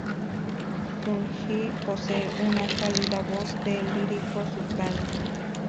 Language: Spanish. Sun-hee posee una cálida voz de lírico-soprano.